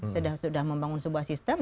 sudah membangun sebuah sistem